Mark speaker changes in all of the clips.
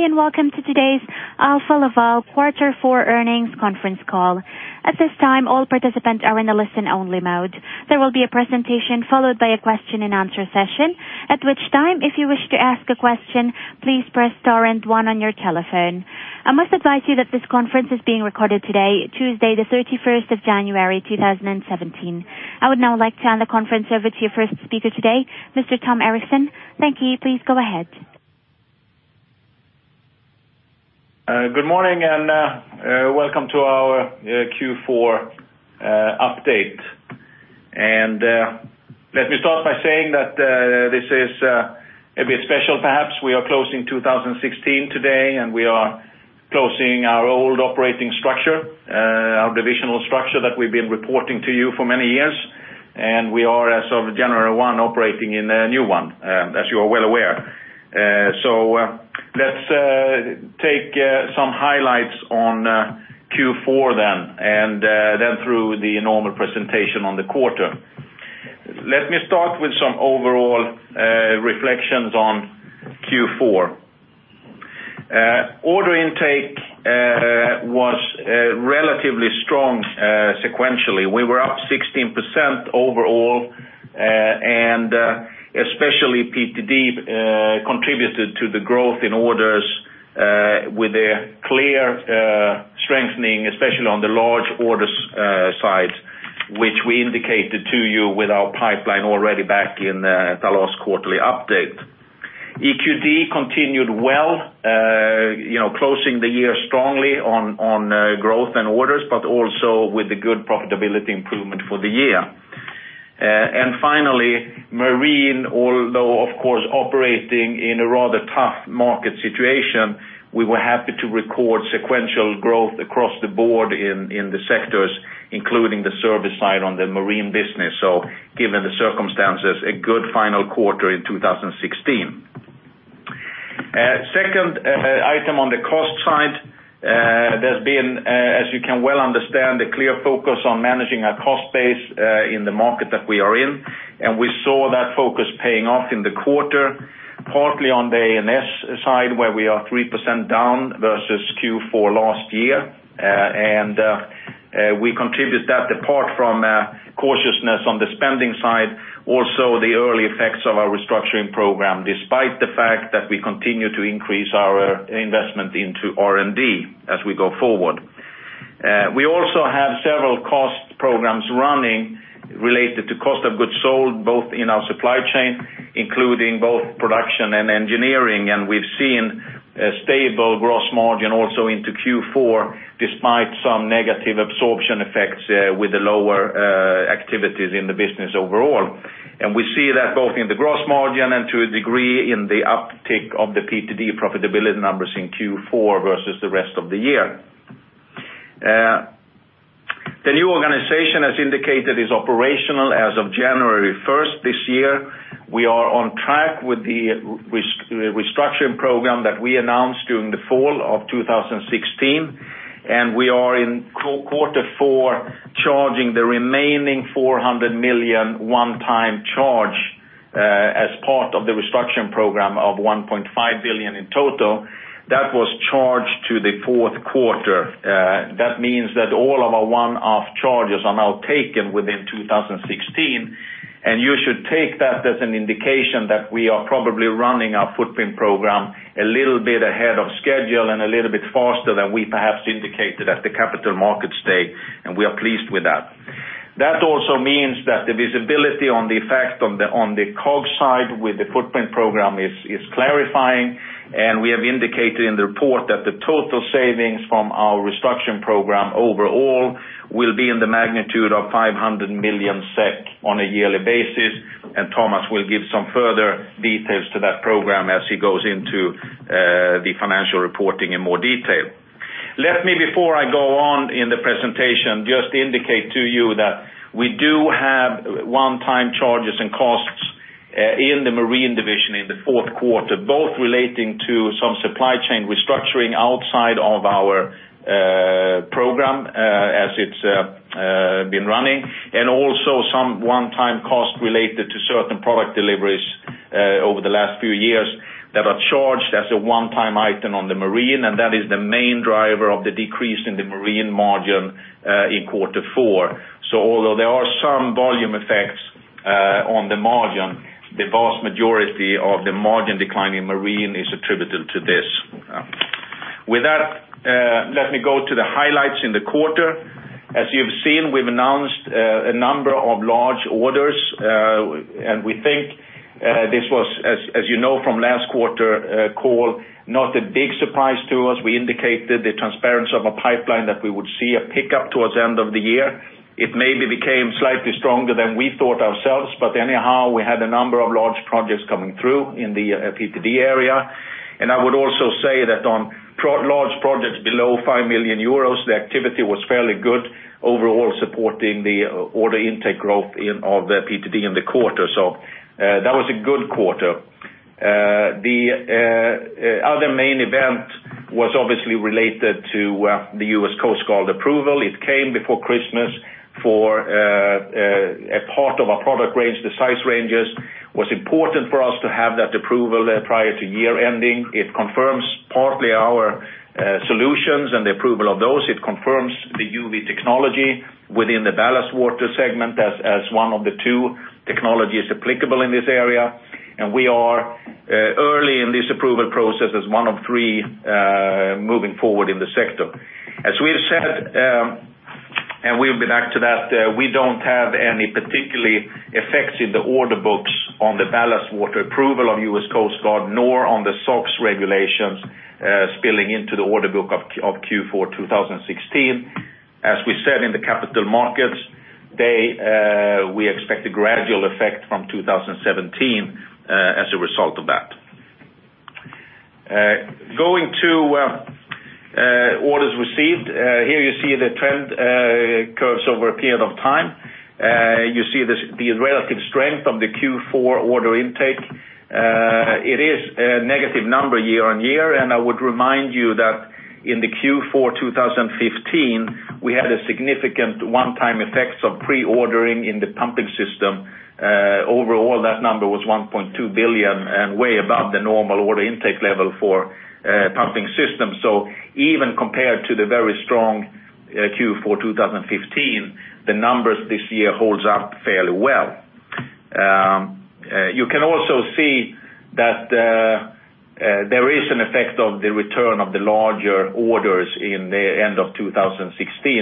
Speaker 1: Welcome to today's Alfa Laval Quarter 4 Earnings conference call. At this time, all participants are in a listen-only mode. There will be a presentation followed by a question and answer session, at which time, if you wish to ask a question, please press star 1 on your telephone. I must advise you that this conference is being recorded today, Tuesday the 31st of January, 2017. I would now like to hand the conference over to your first speaker today, Mr. Tom Erixon. Thank you. Please go ahead.
Speaker 2: Good morning, and welcome to our Q4 update. Let me start by saying that this is a bit special perhaps. We are closing 2016 today, and we are closing our old operating structure, our divisional structure that we've been reporting to you for many years. We are as of January 1, operating in a new one, as you are well aware. Let's take some highlights on Q4, and then through the normal presentation on the quarter. Let me start with some overall reflections on Q4. Order intake was relatively strong sequentially. We were up 16% overall, and especially PTD contributed to the growth in orders, with a clear strengthening, especially on the large order side, which we indicated to you with our pipeline already back in the last quarterly update. EQD continued well, closing the year strongly on growth and orders, but also with the good profitability improvement for the year. Finally, marine, although of course operating in a rather tough market situation, we were happy to record sequential growth across the board in the sectors, including the service side on the marine business. Given the circumstances, a good final quarter in 2016. Second item on the cost side, there's been, as you can well understand, a clear focus on managing our cost base in the market that we are in. We saw that focus paying off in the quarter, partly on the S&A side, where we are 3% down versus Q4 last year. We contribute that apart from cautiousness on the spending side, also the early effects of our restructuring program, despite the fact that we continue to increase our investment into R&D as we go forward. We also have several cost programs running related to cost of goods sold, both in our supply chain, including both production and engineering. We've seen a stable gross margin also into Q4, despite some negative absorption effects with the lower activities in the business overall. We see that both in the gross margin and to a degree in the uptick of the PTD profitability numbers in Q4 versus the rest of the year. The new organization, as indicated, is operational as of January 1 this year. We are on track with the restructuring program that we announced during the fall of 2016. We are in quarter four charging the remaining 400 million one-time charge as part of the restructuring program of 1.5 billion in total. That was charged to the fourth quarter. That means that all of our one-off charges are now taken within 2016. You should take that as an indication that we are probably running our footprint program a little bit ahead of schedule and a little bit faster than we perhaps indicated at the Capital Markets Day, and we are pleased with that. That also means that the visibility on the effect on the COG side with the footprint program is clarifying. We have indicated in the report that the total savings from our restructuring program overall will be in the magnitude of 500 million SEK on a yearly basis. Thomas will give some further details to that program as he goes into the financial reporting in more detail. Let me, before I go on in the presentation, just indicate to you that we do have one-time charges and costs in the marine division in the fourth quarter, both relating to some supply chain restructuring outside of our program as it's been running, and also some one-time cost related to certain product deliveries over the last few years that are charged as a one-time item on the marine. That is the main driver of the decrease in the marine margin in quarter four. Although there are some volume effects on the margin, the vast majority of the margin decline in marine is attributed to this. With that, let me go to the highlights in the quarter. You've seen, we've announced a number of large orders. We think this was, as you know from last quarter call, not a big surprise to us. We indicated the transparency of a pipeline that we would see a pickup towards the end of the year. It maybe became slightly stronger than we thought ourselves, but anyhow, we had a number of large projects coming through in the PTD area. I would also say that on large projects below 5 million euros, the activity was fairly good overall supporting the order intake growth of PTD in the quarter. That was a good quarter. The other main event was obviously related to the U.S. Coast Guard approval. It came before Christmas. For a part of our product range, the size ranges, was important for us to have that approval prior to year ending. It confirms partly our solutions and the approval of those. It confirms the UV technology within the ballast water segment as one of the two technologies applicable in this area. We are early in this approval process as one of three, moving forward in the sector. As we have said, and we'll be back to that, we don't have any particularly effects in the order books on the ballast water approval of US Coast Guard, nor on the SOx regulations, spilling into the order book of Q4 2016. As we said, in the capital markets, we expect a gradual effect from 2017, as a result of that. Going to orders received. Here you see the trend curves over a period of time. You see the relative strength of the Q4 order intake. It is a negative number year-on-year. I would remind you that in the Q4 2015, we had a significant one-time effects of pre-ordering in the pumping system. Overall, that number was 1.2 billion and way above the normal order intake level for pumping systems. Even compared to the very strong Q4 2015, the numbers this year holds up fairly well. You can also see that there is an effect of the return of the larger orders in the end of 2016.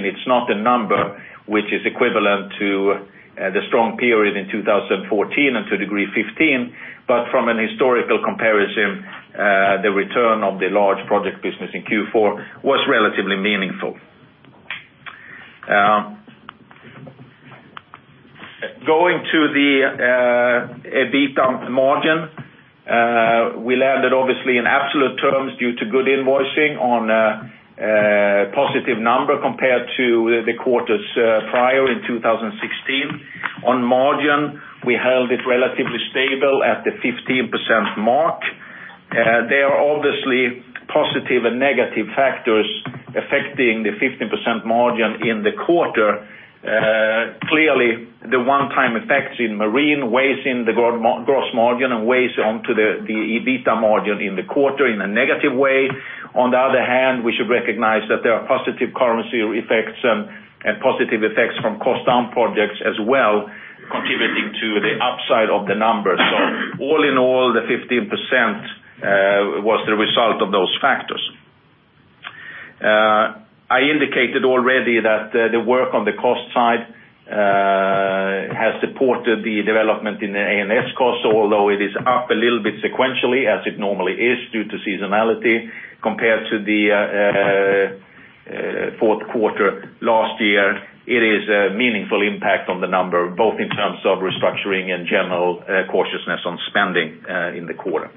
Speaker 2: It's not a number which is equivalent to the strong period in 2014 and to a degree 2015, but from an historical comparison, the return of the large project business in Q4 was relatively meaningful. Going to the EBITDA margin. We landed, obviously, in absolute terms due to good invoicing on a positive number compared to the quarters prior in 2016. On margin, we held it relatively stable at the 15% mark. There are obviously positive and negative factors affecting the 15% margin in the quarter. Clearly, the one-time effects in marine weighs in the gross margin and weighs onto the EBITDA margin in the quarter in a negative way. On the other hand, we should recognize that there are positive currency effects and positive effects from cost-down projects as well, contributing to the upside of the numbers. All in all, the 15% was the result of those factors. I indicated already that the work on the cost side has supported the development in the S&A cost, although it is up a little bit sequentially as it normally is due to seasonality. Compared to the fourth quarter last year, it is a meaningful impact on the number, both in terms of restructuring and general cautiousness on spending in the quarter.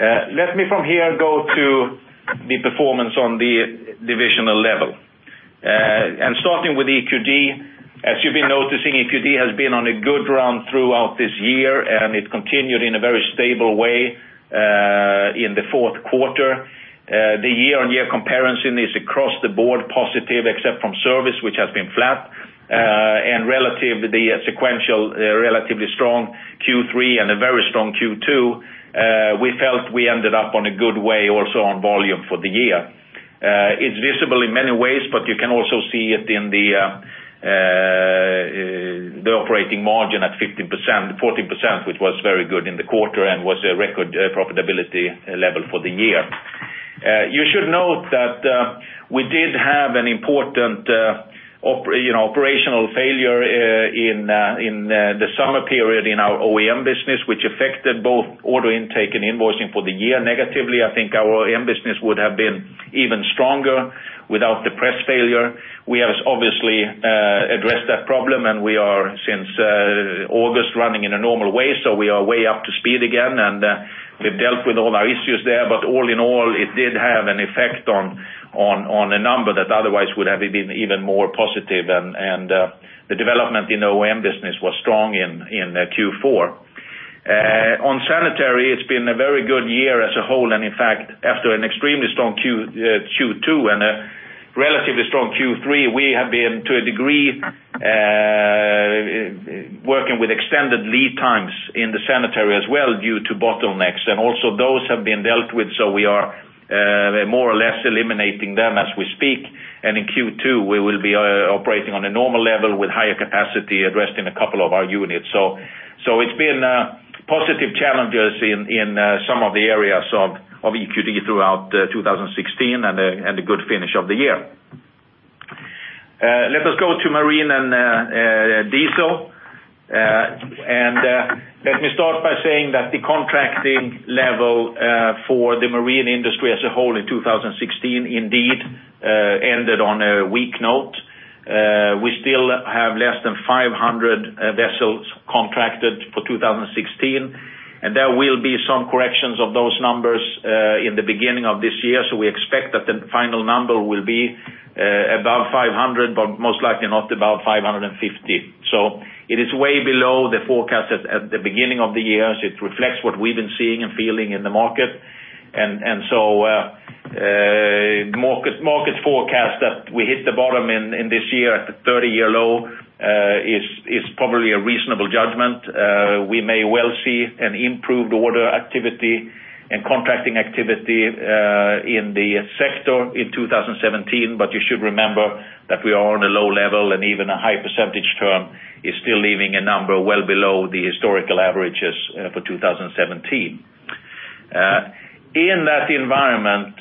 Speaker 2: Let me, from here, go to the performance on the divisional level. Starting with EQD, as you've been noticing, EQD has been on a good run throughout this year, and it continued in a very stable way in the fourth quarter. The year-on-year comparison is across the board positive, except from service, which has been flat. Relative to the sequential, relatively strong Q3 and a very strong Q2, we felt we ended up on a good way also on volume for the year. It's visible in many ways, but you can also see it in the operating margin at 14%, which was very good in the quarter and was a record profitability level for the year. You should note that we did have an important operational failure in the summer period in our OEM business, which affected both order intake and invoicing for the year negatively. I think our OEM business would have been even stronger without the press failure. We have obviously addressed that problem, and we are, since August, running in a normal way. We are way up to speed again, and we've dealt with all our issues there. All in all, it did have an effect on a number that otherwise would have been even more positive, and the development in OEM business was strong in Q4. On sanitary, it's been a very good year as a whole, and in fact, after an extremely strong Q2 and a relatively strong Q3, we have been, to a degree, working with extended lead times in the sanitary as well due to bottlenecks. Also those have been dealt with, so we are more or less eliminating them as we speak. In Q2, we will be operating on a normal level with higher capacity addressed in a couple of our units. It's been positive challenges in some of the areas of EQD throughout 2016, and a good finish of the year. Let us go to marine and diesel. Let me start by saying that the contracting level for the marine industry as a whole in 2016, indeed, ended on a weak note. We still have less than 500 vessels contracted for 2016, and there will be some corrections of those numbers in the beginning of this year. We expect that the final number will be above 500, but most likely not above 550. It is way below the forecast at the beginning of the year. Market forecast that we hit the bottom in this year at the 30-year low is probably a reasonable judgment. We may well see an improved order activity and contracting activity in the sector in 2017, you should remember that we are on a low level, and even a high percentage term is still leaving a number well below the historical averages for 2017. In that environment,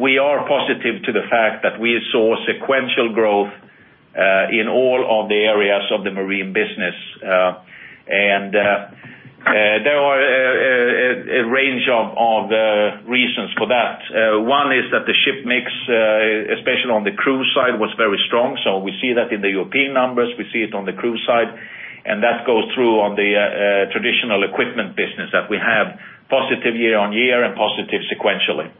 Speaker 2: we are positive to the fact that we saw sequential growth in all of the areas of the marine business. There are a range of reasons for that. One is that the ship mix, especially on the cruise side, was very strong. We see that in the European numbers, we see it on the cruise side, and that goes through on the traditional equipment business that we have positive year-on-year and positive sequentially.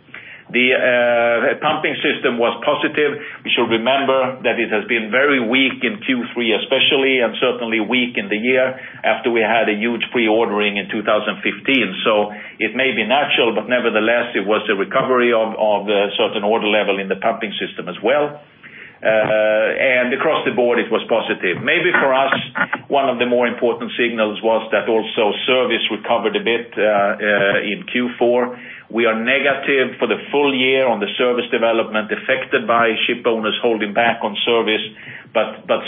Speaker 2: The pumping system was positive. We should remember that it has been very weak in Q3 especially, and certainly weak in the year after we had a huge pre-ordering in 2015. It may be natural, but nevertheless it was a recovery of a certain order level in the pumping system as well. Across the board, it was positive. Maybe for us, one of the more important signals was that also service recovered a bit in Q4. We are negative for the full year on the service development affected by ship owners holding back on service,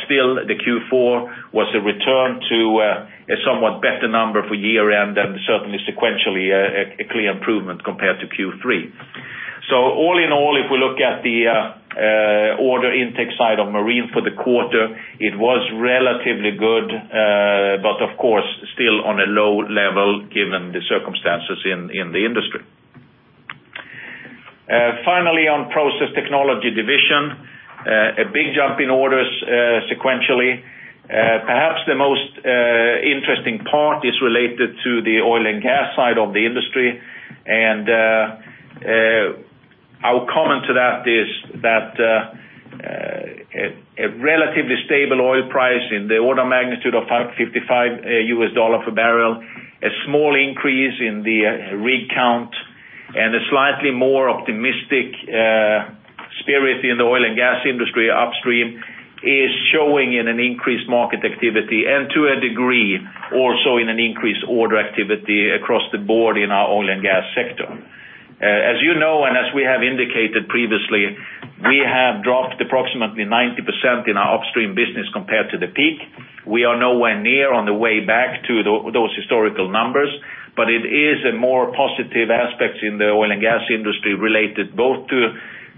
Speaker 2: still the Q4 was a return to a somewhat better number for year-end and certainly sequentially a clear improvement compared to Q3. All in all, if we look at the order intake side of marine for the quarter, it was relatively good, but of course still on a low level given the circumstances in the industry. Finally, on Process Technology Division, a big jump in orders sequentially. Perhaps the most interesting part is related to the oil and gas side of the industry. Our comment to that is that a relatively stable oil price in the order magnitude of $55 per barrel, a small increase in the rig count, and a slightly more optimistic spirit in the oil and gas industry upstream is showing in an increased market activity, and to a degree, also in an increased order activity across the board in our oil and gas sector. As you know, and as we have indicated previously, we have dropped approximately 90% in our upstream business compared to the peak. We are nowhere near on the way back to those historical numbers, but it is a more positive aspects in the oil and gas industry related both to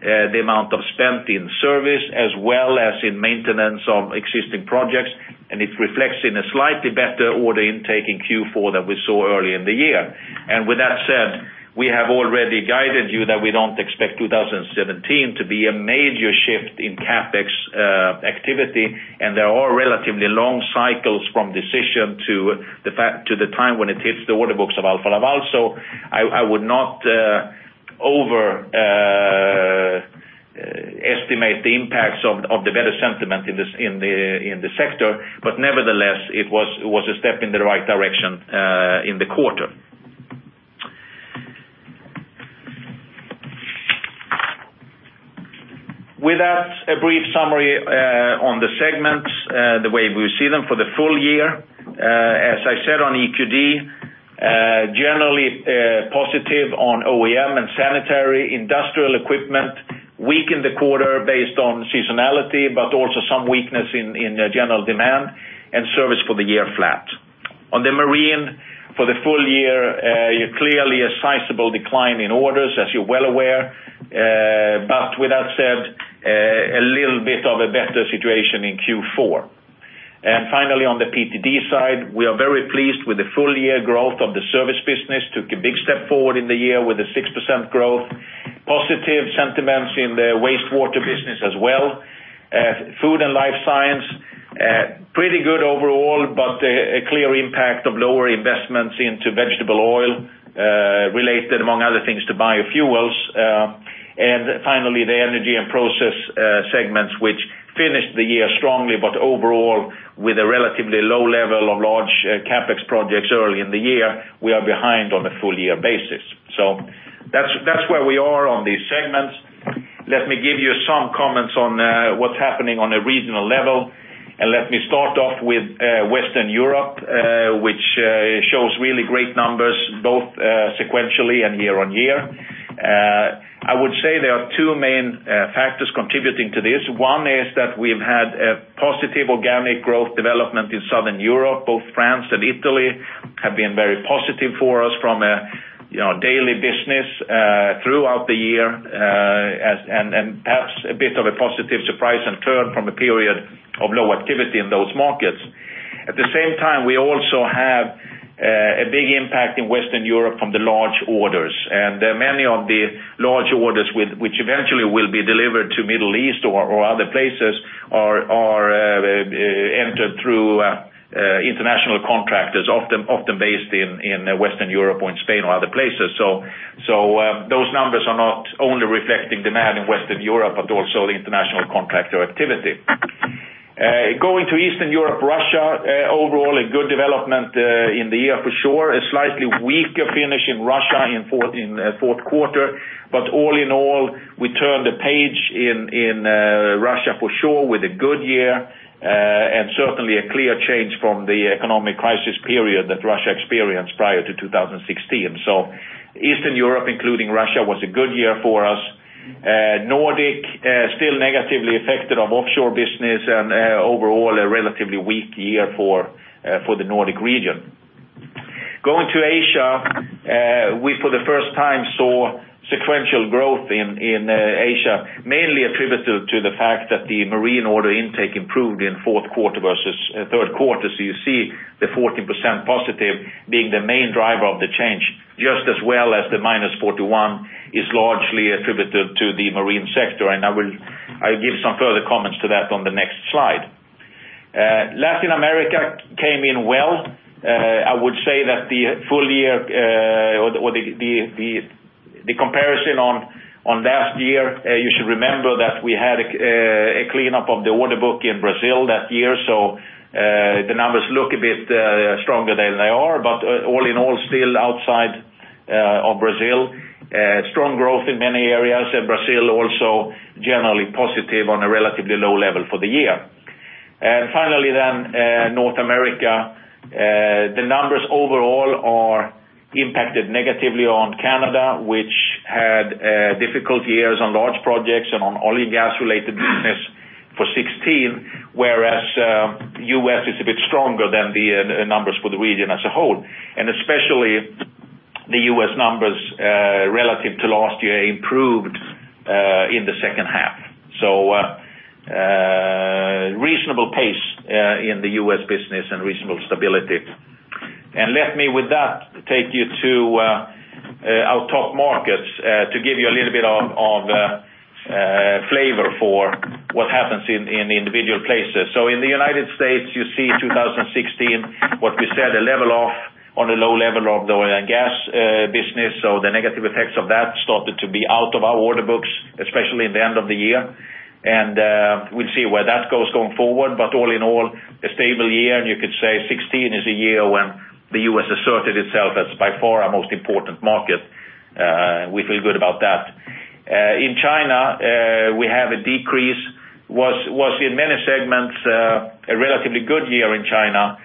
Speaker 2: the amount of spent in service as well as in maintenance of existing projects, and it reflects in a slightly better order intake in Q4 than we saw early in the year. With that said, we have already guided you that we don't expect 2017 to be a major shift in CapEx activity, and there are relatively long cycles from decision to the time when it hits the order books of Alfa Laval. I would not overestimate the impacts of the better sentiment in the sector. Nevertheless, it was a step in the right direction in the quarter. With that, a brief summary on the segments, the way we see them for the full year. As I said on EQD, generally positive on OEM and sanitary industrial equipment, weak in the quarter based on seasonality, but also some weakness in general demand, and service for the year flat. On the marine for the full year, clearly a sizable decline in orders, as you're well aware. With that said, a little bit of a better situation in Q4. Finally, on the PTD side, we are very pleased with the full year growth of the service business. Took a big step forward in the year with a 6% growth. Positive sentiments in the wastewater business as well. Food and life science, pretty good overall, but a clear impact of lower investments into vegetable oil, related, among other things, to biofuels. Finally, the energy and process segments, which finished the year strongly, but overall with a relatively low level of large CapEx projects early in the year, we are behind on a full year basis. That's where we are on these segments. Let me give you some comments on what's happening on a regional level, and let me start off with Western Europe, which shows really great numbers both sequentially and year-over-year. I would say there are two main factors contributing to this. One is that we've had a positive organic growth development in Southern Europe. Both France and Italy have been very positive for us from a daily business throughout the year, and perhaps a bit of a positive surprise and turn from a period of low activity in those markets. At the same time, we also have a big impact in Western Europe from the large orders. Many of the large orders which eventually will be delivered to Middle East or other places are entered through international contractors, often based in Western Europe or in Spain or other places. Reflecting demand in Western Europe, but also the international contractor activity. Going to Eastern Europe, Russia, overall a good development in the year for sure. A slightly weaker finish in Russia in fourth quarter. All in all, we turned the page in Russia for sure with a good year, and certainly a clear change from the economic crisis period that Russia experienced prior to 2016. Eastern Europe, including Russia, was a good year for us. Nordic, still negatively affected of offshore business and overall a relatively weak year for the Nordic region. Going to Asia, we for the first time saw sequential growth in Asia, mainly attributed to the fact that the marine order intake improved in fourth quarter versus third quarter. You see the 14% positive being the main driver of the change, just as well as the -41% is largely attributed to the marine sector. I give some further comments to that on the next slide. Latin America came in well. I would say that the full year or the comparison on last year, you should remember that we had a cleanup of the order book in Brazil that year. The numbers look a bit stronger than they are, but all in all, still outside of Brazil, strong growth in many areas. Brazil also generally positive on a relatively low level for the year. Finally, North America, the numbers overall are impacted negatively on Canada, which had difficult years on large projects and on oil and gas related business for 2016, whereas U.S. is a bit stronger than the numbers for the region as a whole, and especially the U.S. numbers relative to last year improved in the second half. Reasonable pace in the U.S. business and reasonable stability. Let me with that, take you to our top markets to give you a little bit of flavor for what happens in individual places. In the United States you see 2016, what we said, a level off on a low level of the oil and gas business. The negative effects of that started to be out of our order books, especially at the end of the year. We'll see where that goes going forward. All in all, a stable year, and you could say 2016 is a year when the U.S. asserted itself as by far our most important market. We feel good about that. In China, we have a decrease. Was in many segments a relatively good year in China.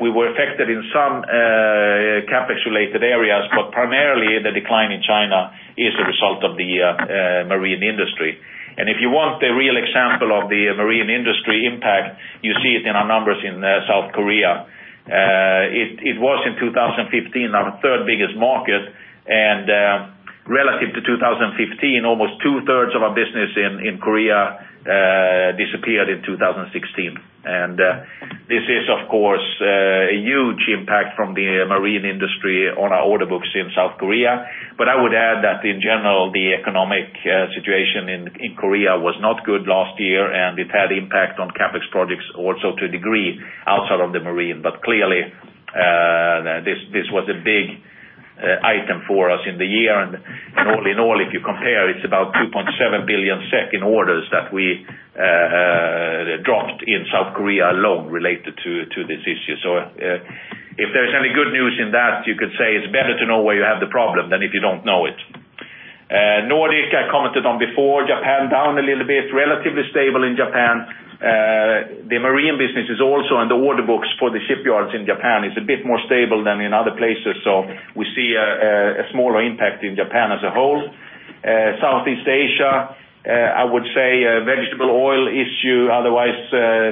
Speaker 2: We were affected in some CapEx related areas, but primarily the decline in China is a result of the marine industry. If you want a real example of the marine industry impact, you see it in our numbers in South Korea. It was in 2015 our third biggest market, and relative to 2015, almost two thirds of our business in Korea disappeared in 2016. This is of course a huge impact from the marine industry on our order books in South Korea. I would add that in general, the economic situation in Korea was not good last year, and it had impact on CapEx projects also to a degree outside of the marine. Clearly, this was a big item for us in the year. All in all, if you compare, it's about 2.7 billion SEK in orders that we dropped in South Korea alone related to this issue. If there's any good news in that, you could say it's better to know where you have the problem than if you don't know it. Nordic, I commented on before. Japan down a little bit, relatively stable in Japan. The marine business is also in the order books for the shipyards in Japan, is a bit more stable than in other places. We see a smaller impact in Japan as a whole. Southeast Asia, I would say vegetable oil issue, otherwise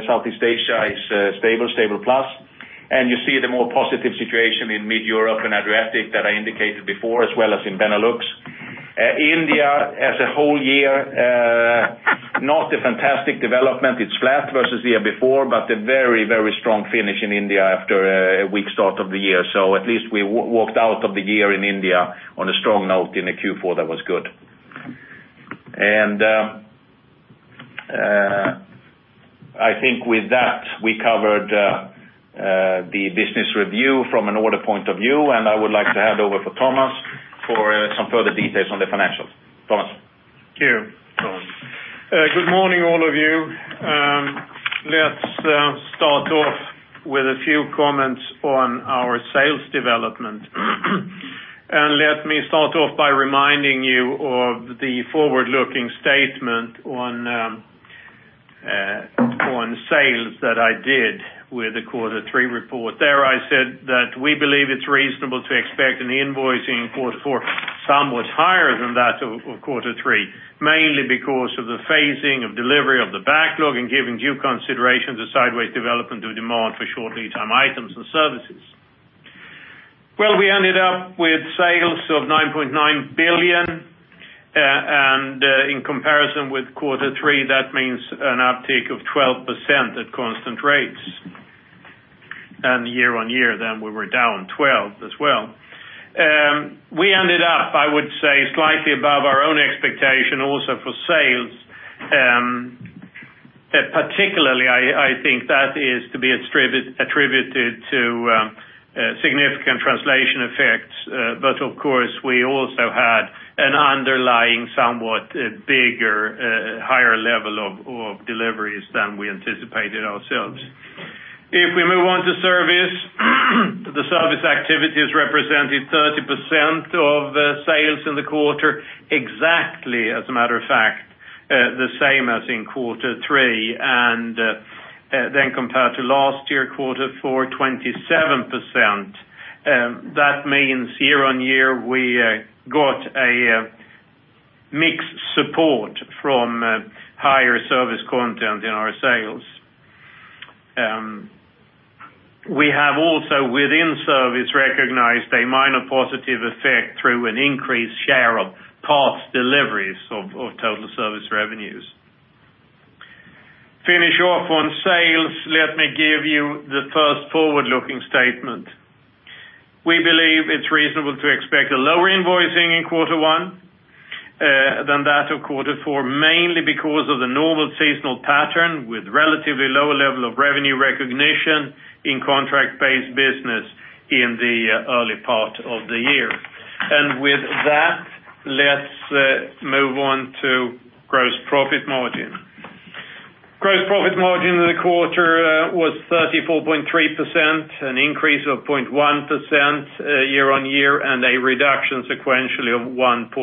Speaker 2: Southeast Asia is stable plus. You see the more positive situation in Mid Europe and Adriatic that I indicated before, as well as in Benelux. India as a whole year, not a fantastic development. It's flat versus the year before, but a very strong finish in India after a weak start of the year. At least we walked out of the year in India on a strong note in a Q4 that was good. I think with that we covered the business review from an order point of view, and I would like to hand over for Thomas for some further details on the financials. Thomas?
Speaker 3: Thank you. Good morning all of you. Let's start off with a few comments on our sales development. Let me start off by reminding you of the forward-looking statement on sales that I did with the quarter 3 report. There I said that we believe it's reasonable to expect an invoicing in quarter 4, somewhat higher than that of quarter 3, mainly because of the phasing of delivery of the backlog and giving due consideration to sideways development of demand for short lead time items and services. We ended up with sales of 9.9 billion. In comparison with quarter 3, that means an uptake of 12% at constant rates. Year-on-year then we were down 12% as well. We ended up, I would say, slightly above our own expectation also for sales. Particularly, I think that is to be attributed to significant translation effects. Of course, we also had an underlying, somewhat bigger, higher level of deliveries than we anticipated ourselves. If we move on to service, the service activities represented 30% of sales in the quarter, exactly, as a matter of fact, the same as in quarter 3. Compared to last year, quarter 4, 27%. That means year-on-year, we got a mixed support from higher service content in our sales. We have also, within service, recognized a minor positive effect through an increased share of parts deliveries of total service revenues. Finish off on sales, let me give you the first forward-looking statement. We believe it's reasonable to expect a lower invoicing in quarter 1, than that of quarter 4, mainly because of the normal seasonal pattern with relatively lower level of revenue recognition in contract-based business in the early part of the year. With that, let's move on to gross profit margin. Gross profit margin in the quarter was 34.3%, an increase of 0.1% year-on-year, and a reduction sequentially of 1.4%.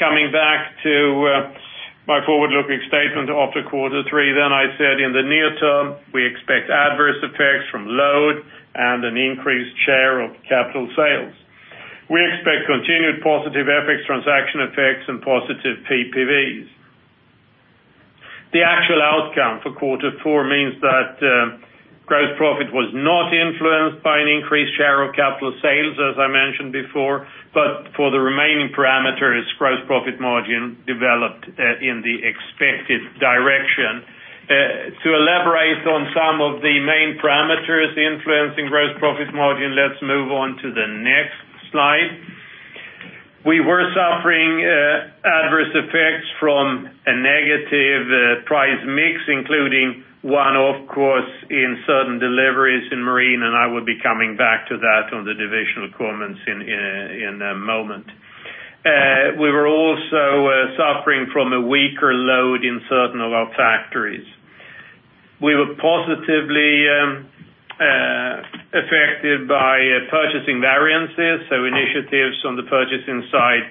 Speaker 3: Coming back to my forward-looking statement after quarter 3, I said, in the near term, we expect adverse effects from load and an increased share of capital sales. We expect continued positive FX transaction effects and positive PPVs. The actual outcome for quarter 4 means that gross profit was not influenced by an increased share of capital sales, as I mentioned before, but for the remaining parameters, gross profit margin developed in the expected direction. Elaborate on some of the main parameters influencing gross profit margin, let's move on to the next slide. We were suffering adverse effects from a negative price mix, including one-off costs in certain deliveries in marine, I will be coming back to that on the divisional comments in a moment. We were also suffering from a weaker load in certain of our factories. We were positively affected by purchasing variances, initiatives on the purchasing side,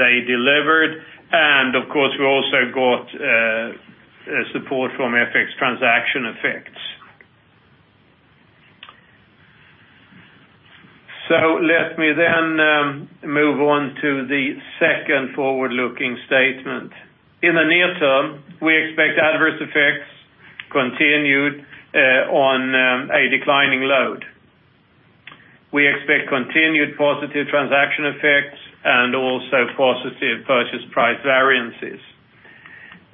Speaker 3: they delivered. Of course, we also got support from FX transaction effects. Let me then move on to the second forward-looking statement. In the near term, we expect adverse effects continued on a declining load. We expect continued positive transaction effects and also positive purchase price variances.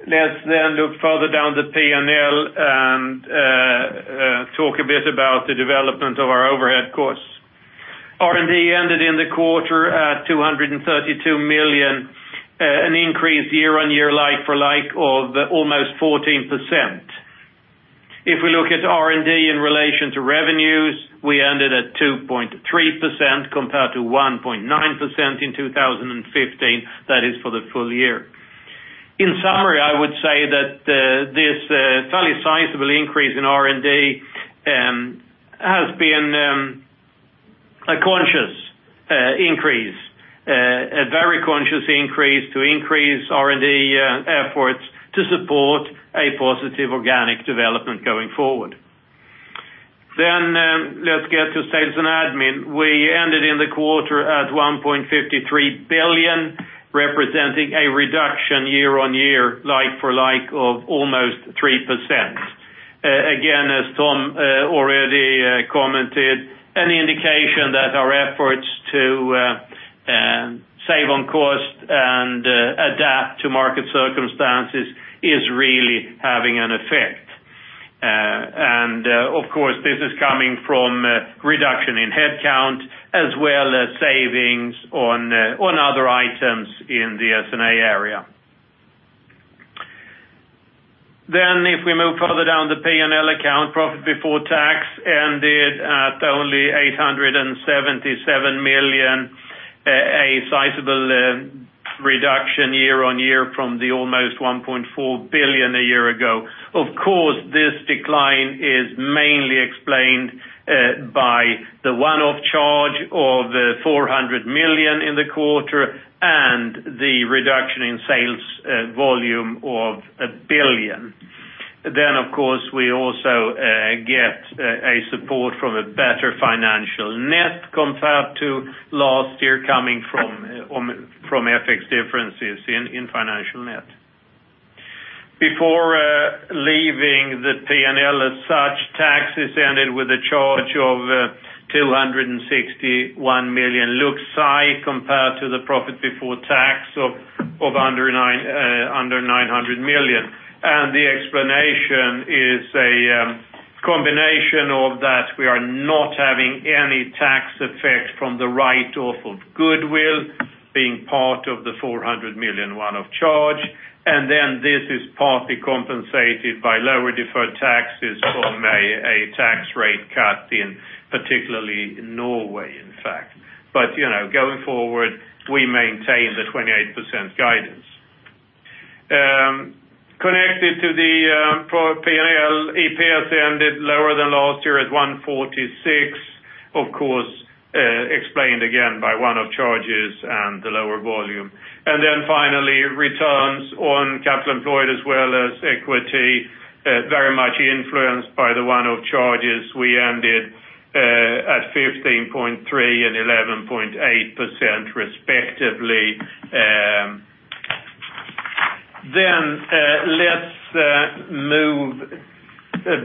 Speaker 3: Let's look further down the P&L and talk a bit about the development of our overhead costs. R&D ended in the quarter at 232 million, an increase year-on-year, like for like, of almost 14%. If we look at R&D in relation to revenues, we ended at 2.3% compared to 1.9% in 2015. That is for the full year. In summary, I would say that this fairly sizable increase in R&D has been a conscious increase, a very conscious increase to increase R&D efforts to support a positive organic development going forward. Let's get to Sales and Admin. We ended in the quarter at 1.53 billion, representing a reduction year-on-year, like for like, of almost 3%. Again, as Tom already commented, an indication that our efforts to save on cost and adapt to market circumstances is really having an effect. Of course, this is coming from a reduction in headcount as well as savings on other items in the S&A area. If we move further down the P&L account, profit before tax ended at only 877 million, a sizable reduction year-on-year from the almost 1.4 billion a year ago. Of course, this decline is mainly explained by the one-off charge of 400 million in the quarter and the reduction in sales volume of 1 billion. Of course, we also get a support from a better financial net compared to last year, coming from FX differences in financial net. Before leaving the P&L as such, taxes ended with a charge of 261 million. Looks high compared to the profit before tax of under 900 million. The combination of that, we are not having any tax effect from the write-off of goodwill being part of the 400 million one-off charge, and this is partly compensated by lower deferred taxes from a tax rate cut in particularly Norway, in fact. Going forward, we maintain the 28% guidance. Connected to the P&L, EPS ended lower than last year at 146 million, of course, explained again by one-off charges and the lower volume. Finally, returns on capital employed as well as equity, very much influenced by the one-off charges. We ended at 15.3% and 11.8%, respectively. Let's move a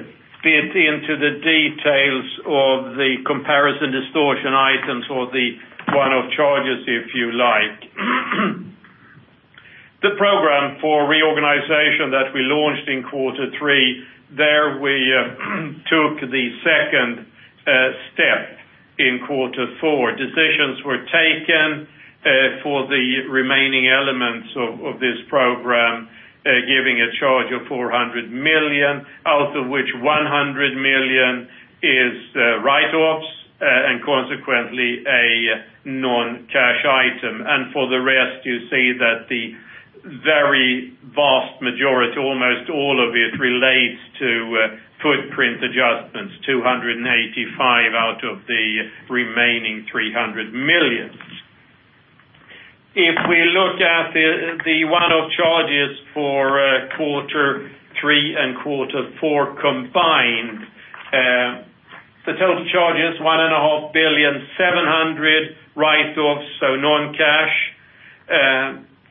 Speaker 3: bit into the details of the comparison distortion items or the one-off charges, if you like. The program for reorganization that we launched in quarter three, there we took the second step in quarter four. Decisions were taken for the remaining elements of this program, giving a charge of 400 million, out of which 100 million is write-offs, and consequently a non-cash item. For the rest, you see that the very vast majority, almost all of it, relates to footprint adjustments, 285 out of the remaining 300 million. If we look at the one-off charges for quarter three and quarter four combined, the total charge is 1.5 billion, 700 write-offs, so non-cash,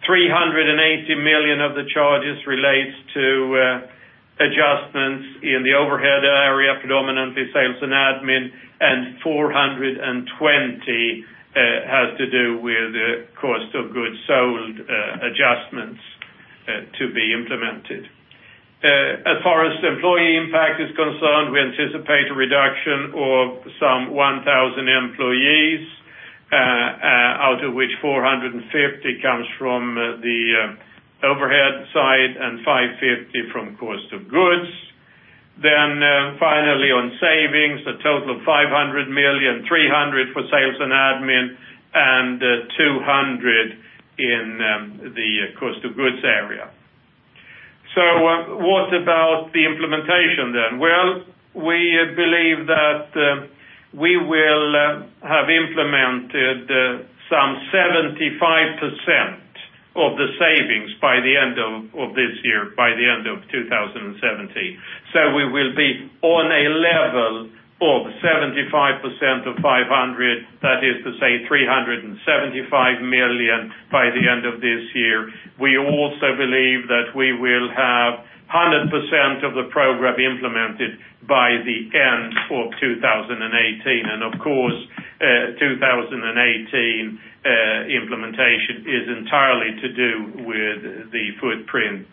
Speaker 3: 380 million of the charges relates to adjustments in the overhead area, predominantly sales and admin, and 420 has to do with cost of goods sold adjustments to be implemented. As far as employee impact is concerned, we anticipate a reduction of some 1,000 employees, out of which 450 comes from the overhead side and 550 from cost of goods. Finally, on savings, a total of 500 million, 300 for sales and admin, and 200 in the cost of goods area. What about the implementation then? We believe that we will have implemented some 75% of the savings by the end of this year, by the end of 2017. So we will be on a level of 75% of 500, that is to say 375 million by the end of this year. We also believe that we will have 100% of the program implemented by the end of 2018. Of course, 2018 implementation is entirely to do with the footprint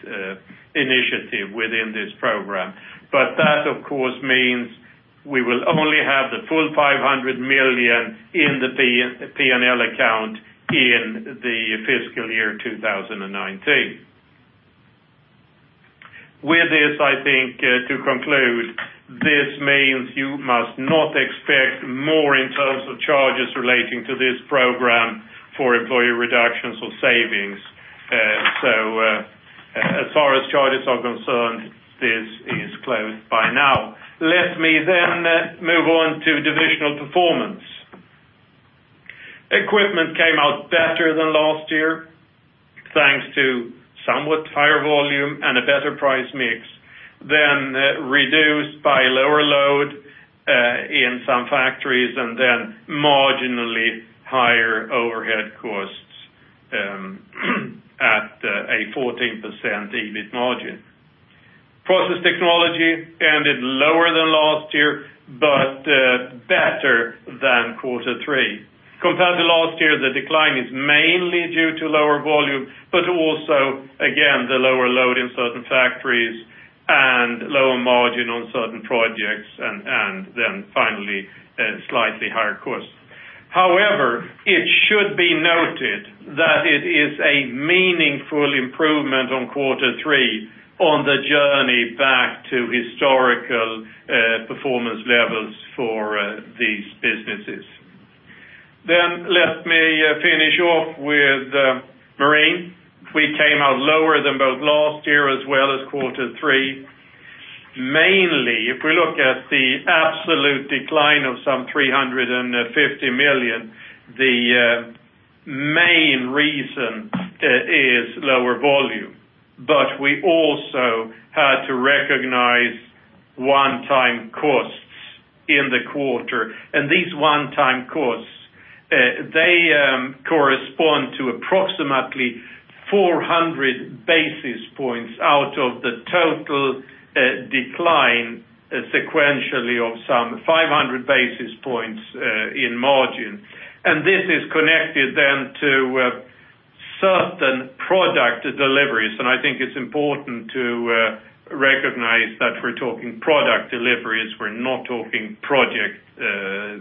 Speaker 3: initiative within this program. That, of course, means we will only have the full 500 million in the P&L account in the fiscal year 2019. With this, I think to conclude, this means you must not expect more in terms of charges relating to this program for employee reductions or savings. As far as charges are concerned, this is closed by now. Let me move on to divisional performance. Equipment came out better than last year, thanks to somewhat higher volume and a better price mix, then reduced by lower load in some factories and marginally higher overhead costs at a 14% EBIT margin. Process Technology ended lower than last year, but better than quarter three. Compared to last year, the decline is mainly due to lower volume, but also, again, the lower load in certain factories and lower margin on certain projects, and finally, slightly higher costs. It should be noted that it is a meaningful improvement on quarter three on the journey back to historical performance levels for these businesses. Let me finish off with Marine. We came out lower than both last year as well as quarter three. Mainly, if we look at the absolute decline of some 350 million, the main reason is lower volume. We also had to recognize one-time costs in the quarter. These one-time costs, they correspond to approximately 400 basis points out of the total decline sequentially of some 500 basis points in margin. This is connected then to certain product deliveries, and I think it's important to recognize that we're talking product deliveries. We're not talking project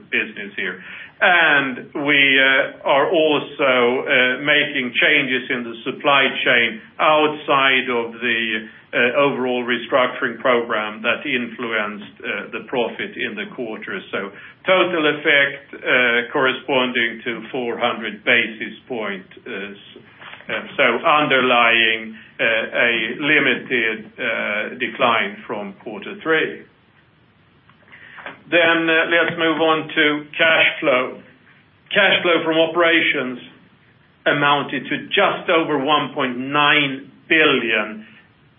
Speaker 3: business here. We are also making changes in the supply chain outside of the overall restructuring program that influenced the profit in the quarter. Total effect corresponding to 400 basis points, underlying a limited decline from quarter three. Let's move on to cash flow. Cash flow from operations amounted to just over 1.9 billion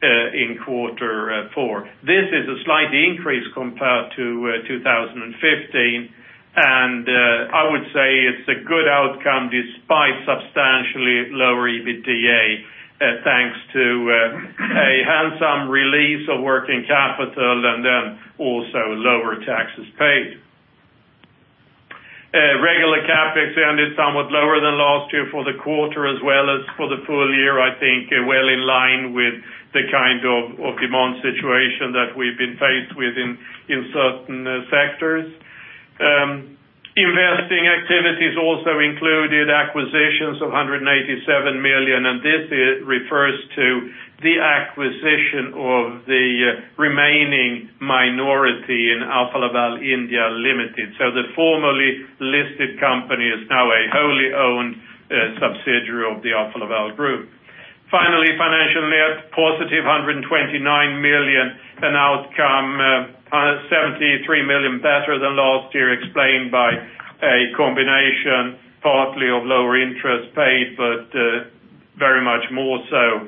Speaker 3: in quarter four. This is a slight increase compared to 2015, and I would say it's a good outcome despite substantially lower EBITDA, thanks to a handsome release of working capital and also lower taxes paid. Regular CapEx ended somewhat lower than last year for the quarter as well as for the full year. I think well in line with the kind of demand situation that we've been faced with in certain sectors. Investing activities also included acquisitions of 187 million, and this refers to the acquisition of the remaining minority in Alfa Laval India Limited. The formerly listed company is now a wholly owned subsidiary of the Alfa Laval Group. Finally, financial net positive 129 million, an outcome 73 million better than last year, explained by a combination, partly of lower interest paid, very much more so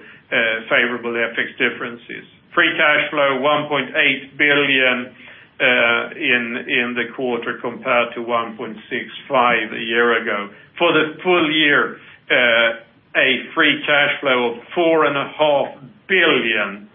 Speaker 3: favorable FX differences. Free cash flow 1.8 billion in the quarter compared to 1.65 billion a year ago. For the full year, a free cash flow of 4.5 billion,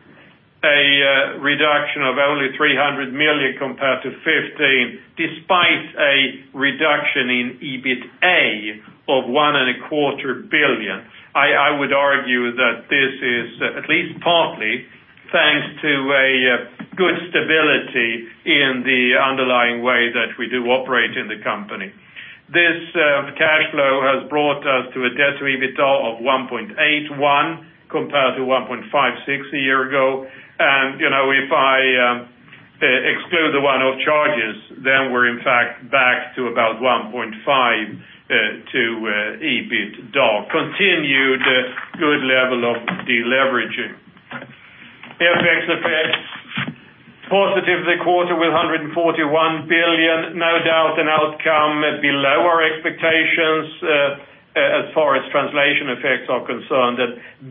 Speaker 3: a reduction of only 300 million compared to 2015, despite a reduction in EBITA of 1.25 billion. I would argue that this is at least partly thanks to a good stability in the underlying way that we do operate in the company. This cash flow has brought us to a debt to EBITA of 1.81 compared to 1.56 a year ago. If I exclude the one-off charges, we're in fact back to about 1.5 to EBITDA. Continued good level of deleveraging. FX effects positively quarter with 141 billion. No doubt an outcome below our expectations, as far as translation effects are concerned.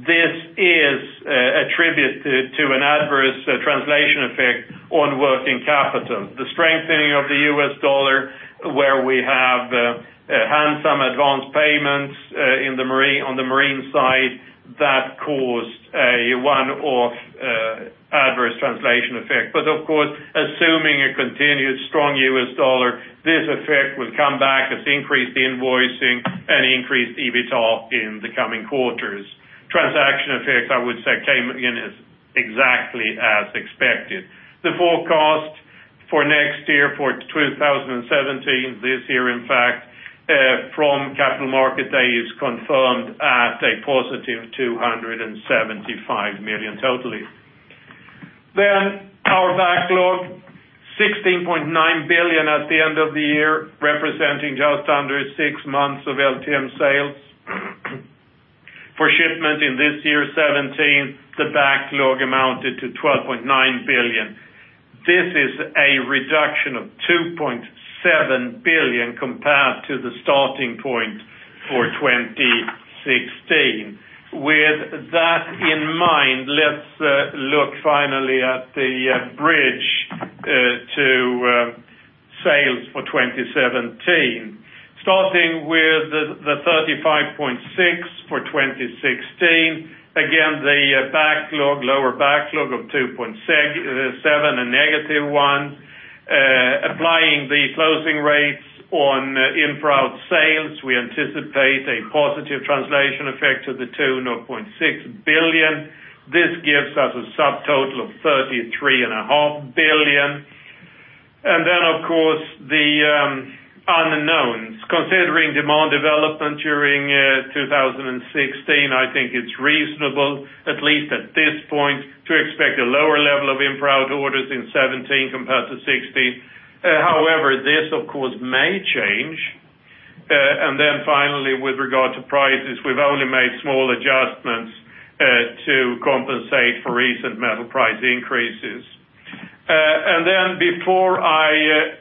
Speaker 3: This is attributed to an adverse translation effect on working capital. The strengthening of the US dollar, where we have handsome advance payments on the marine side, that caused a one-off adverse translation effect. Of course, assuming a continued strong US dollar, this effect will come back as increased invoicing and increased EBITA in the coming quarters. Transaction effects, I would say, came in as exactly as expected. The forecast for next year, for 2017, this year, in fact, from Capital Market Day, is confirmed at a positive 275 million totally. Our backlog, 16.9 billion at the end of the year, representing just under six months of LTM sales. For shipment in this year 2017, the backlog amounted to 12.9 billion. This is a reduction of 2.7 billion compared to the starting point for 2016. With that in mind, let's look finally at the bridge to sales for 2017. Starting with the 35.6 for 2016. Again, the lower backlog of 2.7, a negative one. Applying the closing rates on in-route sales, we anticipate a positive translation effect to the tune of 0.6 billion. This gives us a subtotal of 33.5 billion. Of course, the unknowns. Considering demand development during 2016, I think it's reasonable, at least at this point, to expect a lower level of in-route orders in 2017 compared to 2016. This, of course, may change. Finally, with regard to prices, we've only made small adjustments to compensate for recent metal price increases. Before I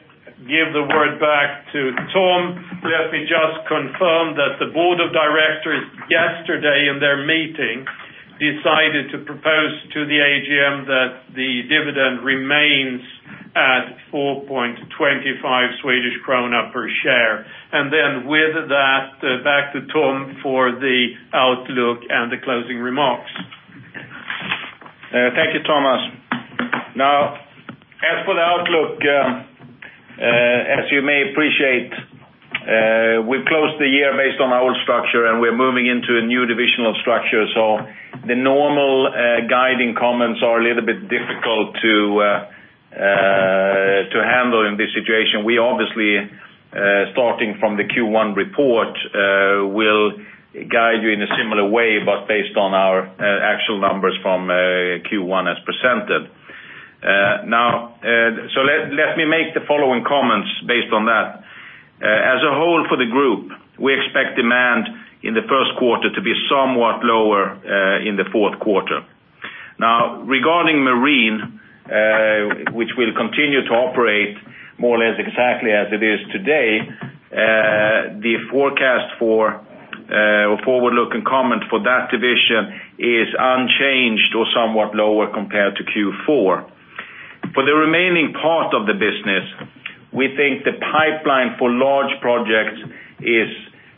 Speaker 3: give the word back to Tom, let me just confirm that the board of directors yesterday in their meeting decided to propose to the AGM that the dividend remains at 4.25 Swedish krona per share. With that, back to Tom for the outlook and the closing remarks.
Speaker 2: Thank you, Thomas. As you may appreciate, we've closed the year based on our old structure, and we're moving into a new divisional structure. The normal guiding comments are a little bit difficult to handle in this situation. We obviously, starting from the Q1 report, will guide you in a similar way, but based on our actual numbers from Q1 as presented. Let me make the following comments based on that. As a whole for the group, we expect demand in the first quarter to be somewhat lower in the fourth quarter. Regarding marine, which will continue to operate more or less exactly as it is today, the forecast for forward-looking comment for that division is unchanged or somewhat lower compared to Q4. For the remaining part of the business, we think the pipeline for large projects is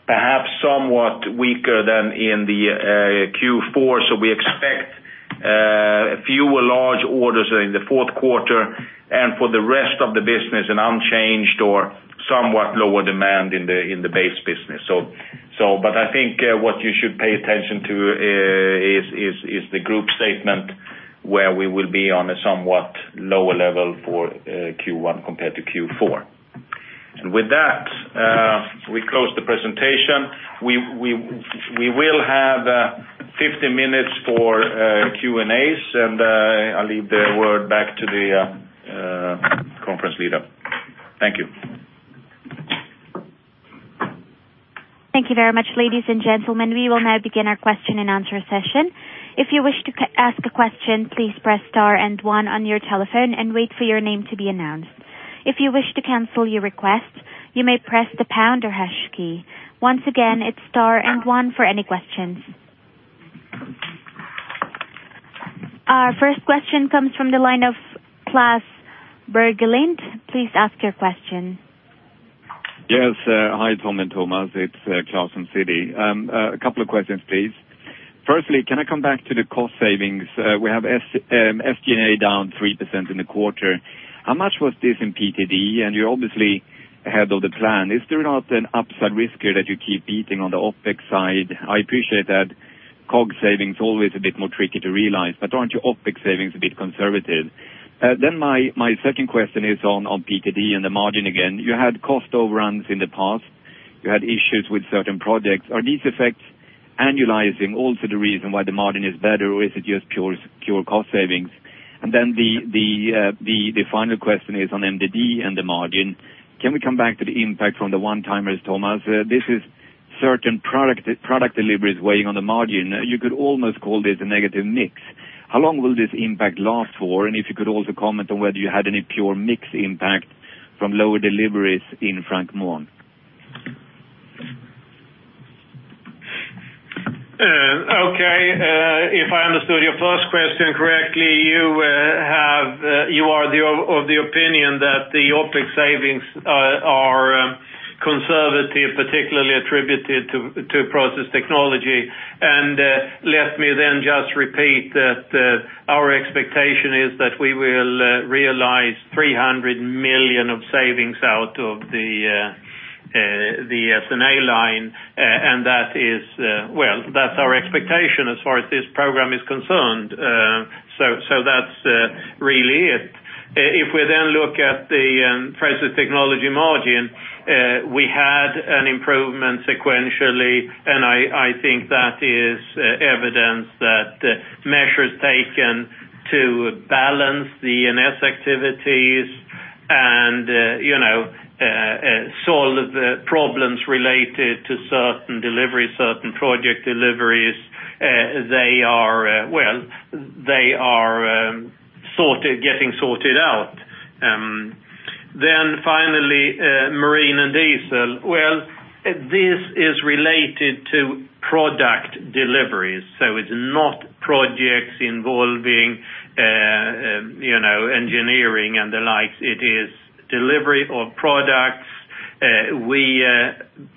Speaker 2: perhaps somewhat weaker than in the Q4. We expect fewer large orders in the fourth quarter, and for the rest of the business, an unchanged or somewhat lower demand in the base business. I think what you should pay attention to is the group statement, where we will be on a somewhat lower level for Q1 compared to Q4. With that, we close the presentation. We will have 15 minutes for Q&As, and I leave the word back to the conference leader. Thank you.
Speaker 1: Thank you very much, ladies and gentlemen. We will now begin our question and answer session. If you wish to ask a question, please press star and one on your telephone and wait for your name to be announced. If you wish to cancel your request, you may press the pound or hash key. Once again, it is star and one for any questions. Our first question comes from the line of Klas Bergelind. Please ask your question.
Speaker 4: Yes. Hi, Tom and Thomas. It is Klas from Citi. A couple of questions, please. Firstly, can I come back to the cost savings? We have SG&A down 3% in the quarter. How much was this in PTD? You are obviously ahead of the plan. Is there not an upside risk here that you keep beating on the OpEx side? I appreciate that COG savings always a bit more tricky to realize, but aren't your OpEx savings a bit conservative? My second question is on PTD and the margin again. You had cost overruns in the past. You had issues with certain projects. Are these effects annualizing also the reason why the margin is better, or is it just pure cost savings? The final question is on M&D and the margin. Can we come back to the impact from the one-timers, Thomas? This is certain product deliveries weighing on the margin. You could almost call this a negative mix. How long will this impact last for? If you could also comment on whether you had any pure mix impact from lower deliveries in Frank Mohn.
Speaker 3: Okay. If I understood your first question correctly, you are of the opinion that the OpEx savings are conservative, particularly attributed to process technology. Let me just repeat that our expectation is that we will realize 300 million of savings out of the S&A line. That's our expectation as far as this program is concerned. That's really it. If we then look at the process technology margin, we had an improvement sequentially, and I think that is evidence that measures taken to balance the NS activities and solve the problems related to certain project deliveries, they are getting sorted out. Finally, marine and diesel. Well, this is related to product deliveries, so it's not projects involving engineering and the like. It is delivery of products. We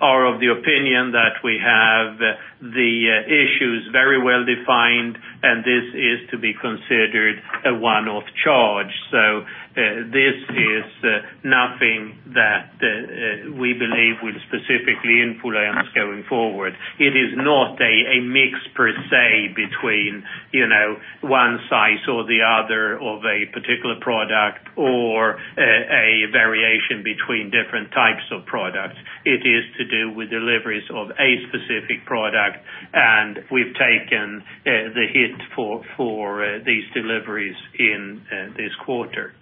Speaker 3: are of the opinion that we have the issues very well defined, and this is to be considered a one-off charge. This is nothing that we believe will specifically influence going forward. It is not a mix per se between one size or the other of a particular product or a variation between different types of products. It is to do with deliveries of a specific product, and we've taken the hit for these deliveries in this quarter.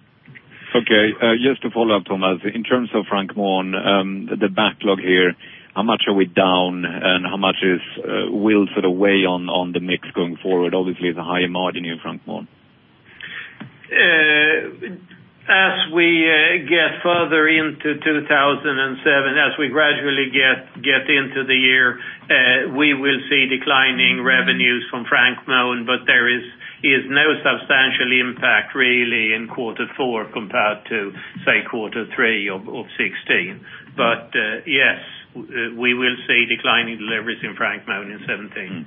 Speaker 4: Okay. Just to follow up, Thomas, in terms of Frank Mohn, the backlog here, how much are we down and how much will it weigh on the mix going forward? Obviously, it's a higher margin in Frank Mohn.
Speaker 3: As we get further into 2017, as we gradually get into the year, we will see declining revenues from Frank Mohn. There is no substantial impact really in quarter four compared to, say, quarter 3 of 2016. Yes, we will see declining deliveries in Frank Mohn in 2017.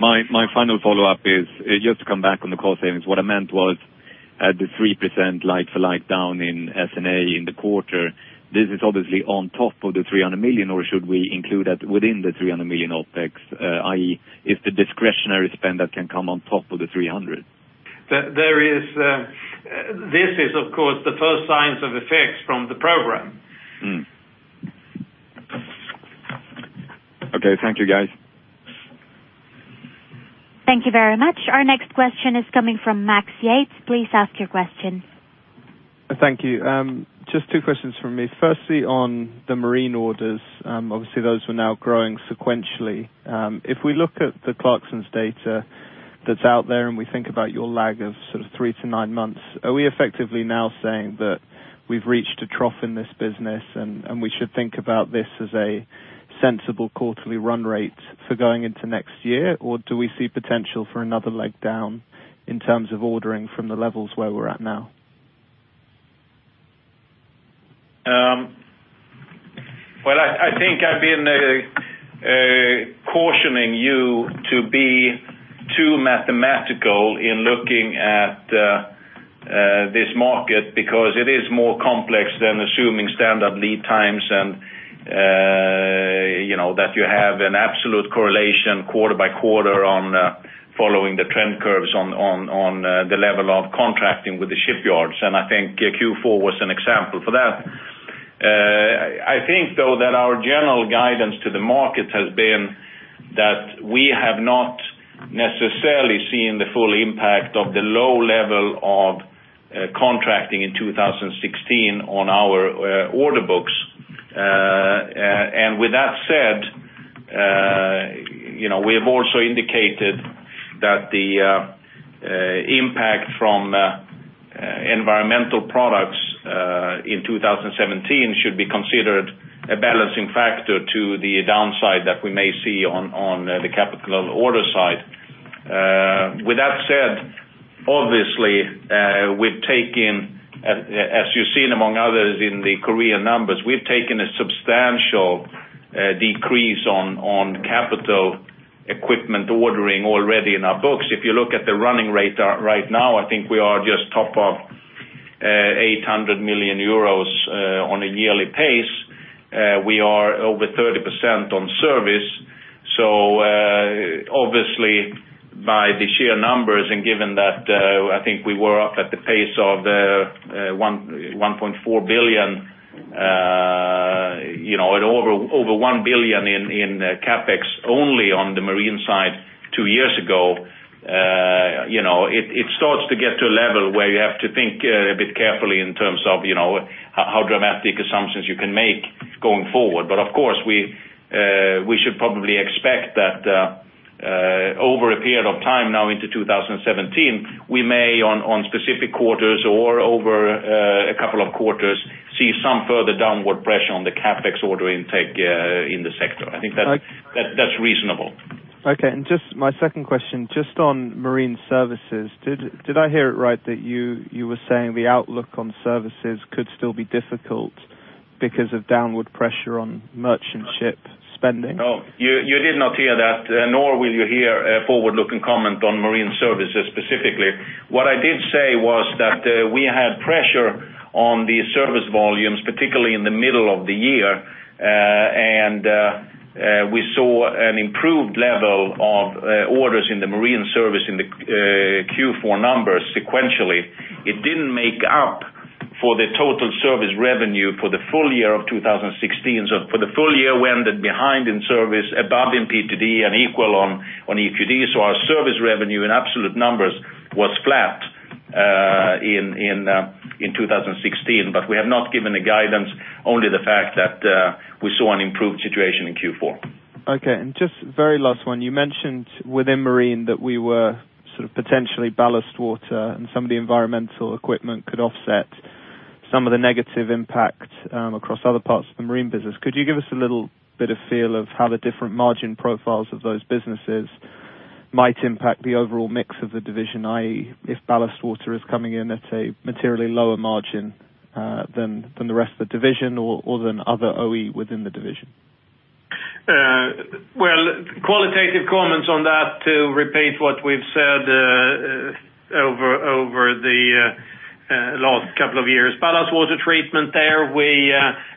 Speaker 4: My final follow-up is just to come back on the cost savings. What I meant was at the 3% like for like down in S&A in the quarter, this is obviously on top of the 300 million, or should we include that within the 300 million OpEx? I.e., if the discretionary spend that can come on top of the 300 million.
Speaker 2: This is, of course, the first signs of effects from the program.
Speaker 4: Okay. Thank you, guys.
Speaker 1: Thank you very much. Our next question is coming from Max Yates. Please ask your question.
Speaker 5: Thank you. Just two questions from me. Firstly, on the marine orders. Obviously, those are now growing sequentially. If we look at the Clarksons data that's out there, and we think about your lag of three to nine months, are we effectively now saying that we've reached a trough in this business, and we should think about this as a sensible quarterly run rate for going into next year? Or do we see potential for another leg down in terms of ordering from the levels where we're at now?
Speaker 2: Well, I think I've been cautioning you to be too mathematical in looking at this market, because it is more complex than assuming standard lead times, and that you have an absolute correlation quarter by quarter on following the trend curves on the level of contracting with the shipyards. I think Q4 was an example for that. I think, though, that our general guidance to the market has been that we have not necessarily seen the full impact of the low level of contracting in 2016 on our order books. With that said, we have also indicated that the impact from environmental products in 2017 should be considered a balancing factor to the downside that we may see on the capital order side. With that said, obviously, we've taken, as you've seen, among others in the Korea numbers, we've taken a substantial decrease on capital equipment ordering already in our books. If you look at the running rate right now, I think we are just top of 800 million euros on a yearly pace. We are over 30% on service. Obviously, by the sheer numbers, and given that I think we were up at the pace of 1.4 billion, at over SEK 1 billion in CapEx only on the marine side two years ago. It starts to get to a level where you have to think a bit carefully in terms of how dramatic assumptions you can make going forward. Of course, we should probably expect that over a period of time now into 2017, we may, on specific quarters or over a couple of quarters, see some further downward pressure on the CapEx order intake in the sector. I think that's reasonable.
Speaker 5: Okay. My second question, just on marine services, did I hear it right that you were saying the outlook on services could still be difficult because of downward pressure on merchant ship spending?
Speaker 2: No, you did not hear that, nor will you hear a forward-looking comment on marine services specifically. What I did say was that we had pressure on the service volumes, particularly in the middle of the year, and we saw an improved level of orders in the marine service in the Q4 numbers sequentially. It didn't make up for the total service revenue for the full year of 2016. For the full year, we ended behind in service, above in PTD and equal on ETD. Our service revenue in absolute numbers was flat in 2016. We have not given a guidance, only the fact that we saw an improved situation in Q4.
Speaker 5: Okay. Just very last one. You mentioned within marine that we were potentially ballast water and some of the environmental equipment could offset some of the negative impact across other parts of the marine business. Could you give us a little bit of feel of how the different margin profiles of those businesses might impact the overall mix of the division, i.e., if ballast water is coming in at a materially lower margin than the rest of the division or than other OE within the division?
Speaker 2: Well, qualitative comments on that, to repeat what we've said over the last couple of years. Ballast water treatment there, we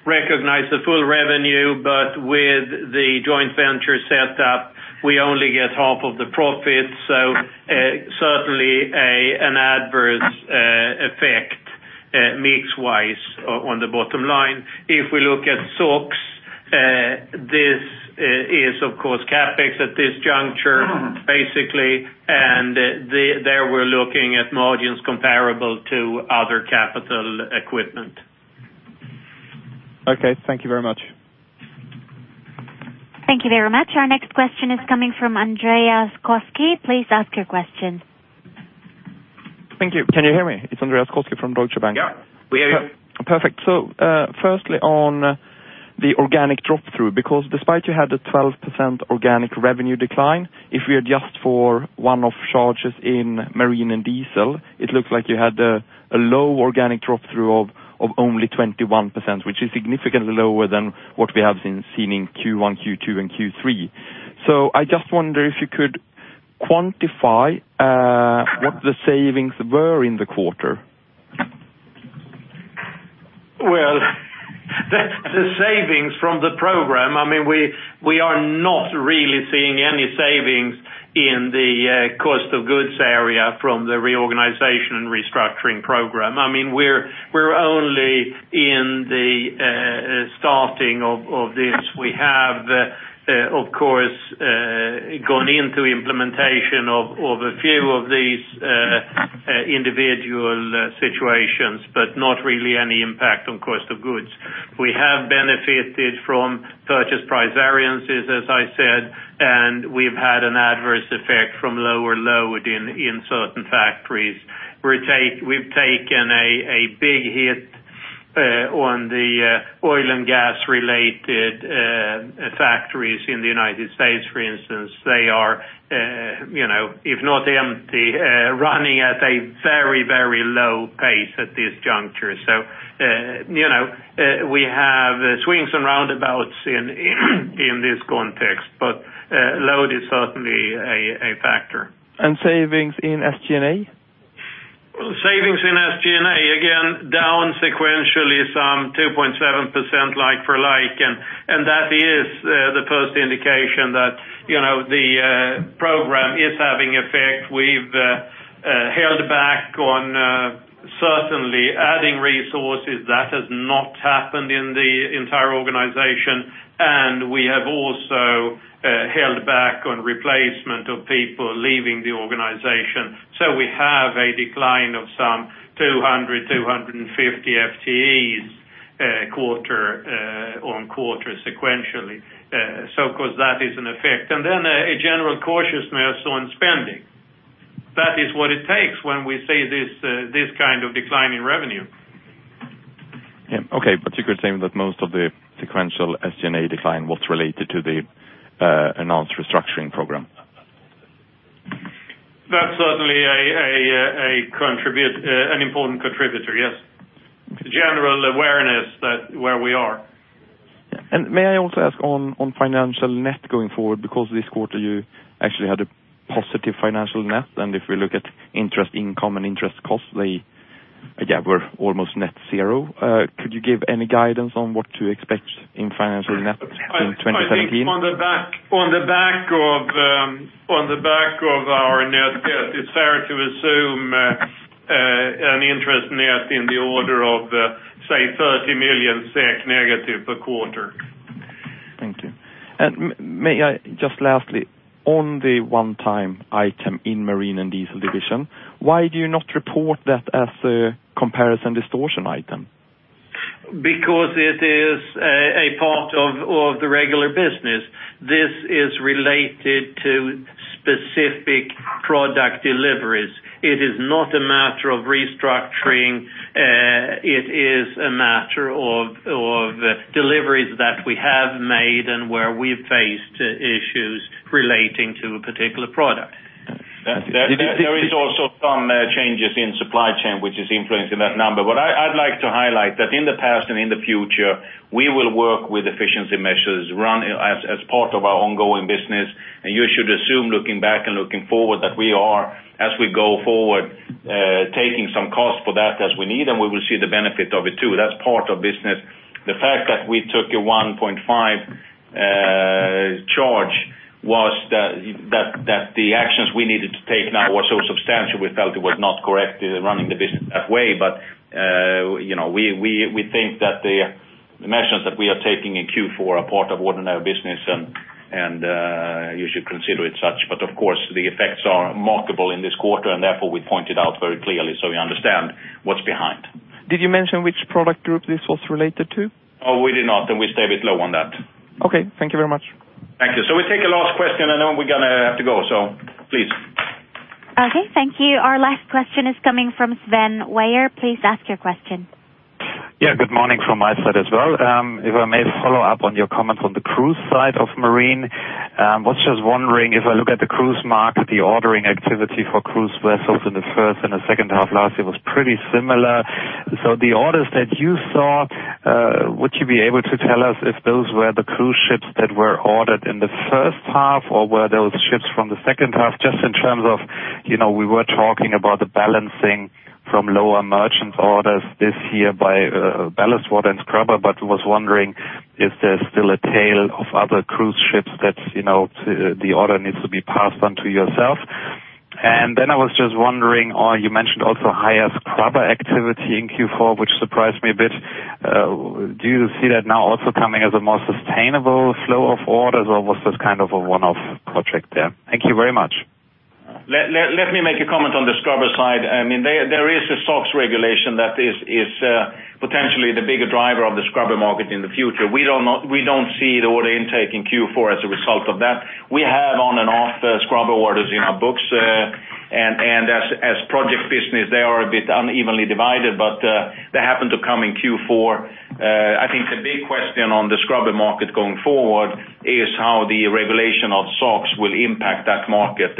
Speaker 2: recognize the full revenue, but with the joint venture set up, we only get half of the profit. Certainly, an adverse effect mix-wise on the bottom line. If we look at SOx, this is, of course, CapEx at this juncture, basically, and there we're looking at margins comparable to other capital equipment.
Speaker 5: Okay. Thank you very much.
Speaker 1: Thank you very much. Our next question is coming from Andreas Koski. Please ask your question.
Speaker 6: Thank you. Can you hear me? It's Andreas Koski from Deutsche Bank.
Speaker 2: Yeah. We hear you.
Speaker 6: Firstly, on the organic drop-through, because despite you had a 12% organic revenue decline, if we adjust for one-off charges in Marine and Diesel, it looks like you had a low organic drop-through of only 21%, which is significantly lower than what we have seen in Q1, Q2, and Q3. I just wonder if you could quantify what the savings were in the quarter.
Speaker 3: The savings from the program, we are not really seeing any savings in the cost of goods area from the reorganization and restructuring program. We're only in the starting of this. We have, of course, gone into implementation of a few of these individual situations, but not really any impact on cost of goods. We've benefited from purchase price variances, as I said, and we've had an adverse effect from lower load in certain factories. We've taken a big hit on the oil and gas-related factories in the U.S., for instance. They are, if not empty, running at a very, very low pace at this juncture. We have swings and roundabouts in this context, but load is certainly a factor.
Speaker 6: Savings in SG&A?
Speaker 3: Savings in SG&A, again, down sequentially some 2.7% like for like. That is the first indication that the program is having effect. We've held back on certainly adding resources. That has not happened in the entire organization. We have also held back on replacement of people leaving the organization. We have a decline of some 200, 250 FTEs quarter on quarter sequentially. Of course, that is an effect and a general cautiousness on spending. That is what it takes when we see this kind of decline in revenue.
Speaker 6: Yeah, okay. You could say that most of the sequential SG&A decline was related to the announced restructuring program.
Speaker 3: That's certainly an important contributor, yes. General awareness that where we are.
Speaker 6: May I also ask on financial net going forward, because this quarter you actually had a positive financial net, and if we look at interest income and interest cost, they were almost net zero. Could you give any guidance on what to expect in financial net in 2018?
Speaker 3: I think on the back of our net debt, it's fair to assume an interest net in the order of, say, 30 million SEK negative per quarter.
Speaker 6: Thank you. May I just lastly, on the one-time item in Marine and Diesel division, why do you not report that as a comparison distortion item?
Speaker 3: It is a part of the regular business. This is related to specific product deliveries. It is not a matter of restructuring. It is a matter of deliveries that we have made and where we've faced issues relating to a particular product.
Speaker 2: There is also some changes in supply chain, which is influencing that number. What I'd like to highlight that in the past and in the future, we will work with efficiency measures run as part of our ongoing business. You should assume, looking back and looking forward, that we are, as we go forward, taking some cost for that as we need, and we will see the benefit of it, too. That's part of business. The fact that we took a 1.5 charge was that the actions we needed to take now were so substantial, we felt it was not correct running the business that way. We think that the measures that we are taking in Q4 are part of ordinary business, and you should consider it such. Of course, the effects are marketable in this quarter, and therefore we point it out very clearly so we understand what's behind.
Speaker 6: Did you mention which product group this was related to?
Speaker 2: No, we did not. We stay a bit low on that.
Speaker 6: Okay. Thank you very much.
Speaker 2: Thank you. We take a last question. We're going to have to go. Please.
Speaker 1: Okay. Thank you. Our last question is coming from Sven Weier. Please ask your question.
Speaker 7: Good morning from my side as well. If I may follow up on your comments on the cruise side of Marine. Was just wondering if I look at the cruise market, the ordering activity for cruise vessels in the first and the second half last year was pretty similar. The orders that you saw, would you be able to tell us if those were the cruise ships that were ordered in the first half, or were those ships from the second half? Just in terms of, we were talking about the balancing from lower merchant orders this year by ballast water and scrubber, but was wondering if there's still a tail of other cruise ships that the order needs to be passed on to yourself. Then I was just wondering, you mentioned also higher scrubber activity in Q4, which surprised me a bit. Do you see that now also coming as a more sustainable flow of orders, or was this a one-off project there? Thank you very much.
Speaker 2: Let me make a comment on the scrubber side. There is a SOx regulation that is potentially the bigger driver of the scrubber market in the future. We don't see the order intake in Q4 as a result of that. We have on and off scrubber orders in our books, and as project business, they are a bit unevenly divided, but they happen to come in Q4. I think the big question on the scrubber market going forward is how the regulation of SOx will impact that market.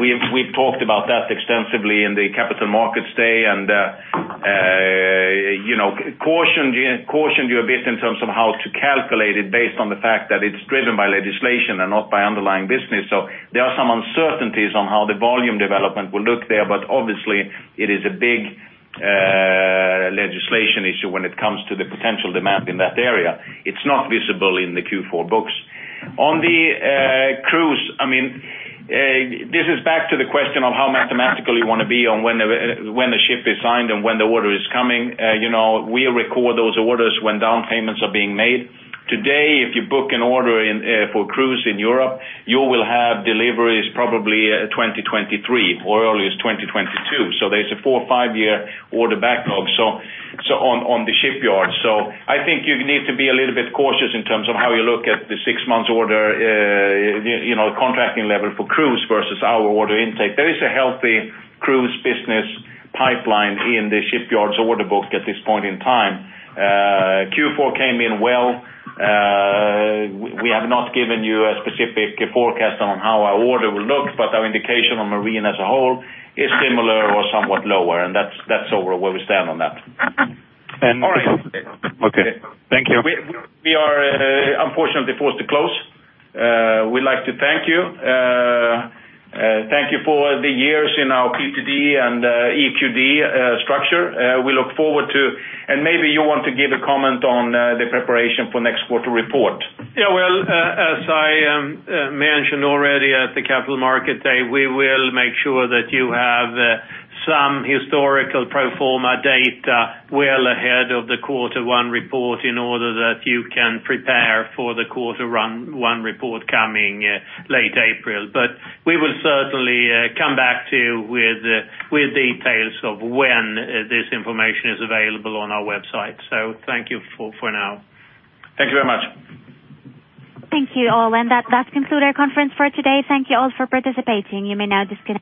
Speaker 2: We've talked about that extensively in the Capital Markets Day and cautioned you a bit in terms of how to calculate it based on the fact that it's driven by legislation and not by underlying business. There are some uncertainties on how the volume development will look there, obviously it is a big legislation issue when it comes to the potential demand in that area. It's not visible in the Q4 books. On the cruise, this is back to the question of how mathematical you want to be on when the ship is signed and when the order is coming. We record those orders when down payments are being made. Today, if you book an order for cruise in Europe, you will have deliveries probably 2023 or early as 2022. There's a four or five-year order backlog on the shipyard. I think you need to be a little bit cautious in terms of how you look at the six months order, the contracting level for cruise versus our order intake. There is a healthy cruise business pipeline in the shipyards order book at this point in time. Q4 came in well. We have not given you a specific forecast on how our order will look, our indication on marine as a whole is similar or somewhat lower, and that's overall where we stand on that.
Speaker 7: Okay. Thank you.
Speaker 2: We are unfortunately forced to close. We'd like to thank you. Thank you for the years in our PDD and EQD structure. We look forward to, and maybe you want to give a comment on the preparation for next quarter report.
Speaker 3: Well, as I mentioned already at the Capital Market Day, we will make sure that you have some historical pro forma data well ahead of the quarter one report in order that you can prepare for the quarter one report coming late April. We will certainly come back to you with details of when this information is available on our website. Thank you for now.
Speaker 2: Thank you very much.
Speaker 1: Thank you all. That concludes our conference for today. Thank you all for participating. You may now disconnect.